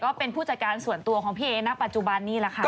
ก็เป็นผู้จัดการส่วนตัวของพี่เอณปัจจุบันนี้แหละค่ะ